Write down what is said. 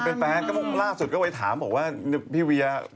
เป็นแฟนก็ล่าสุดก็ไปถามบอกว่าพี่เวีย